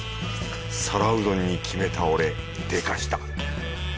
皿うどんに決めた俺でかした。